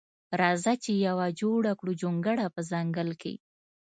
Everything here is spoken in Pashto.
راځه چې یوه جوړه کړو جونګړه په ځنګل کښې